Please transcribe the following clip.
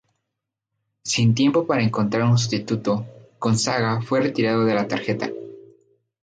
Sin tiempo para encontrar un sustituto, Gonzaga fue retirado de la tarjeta.